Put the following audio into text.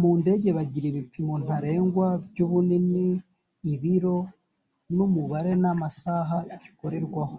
mu ndege bagira ibipimo ntarengwa by’ ubunini , ibiro n’ umubare n’amasaha bikorerwaho.